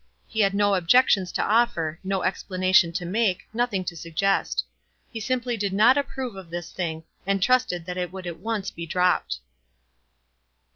He had no objections to offer, no explanation to make, nothing to suggest. He simply did not approve of this thing, and trusted that it would at once be dropped.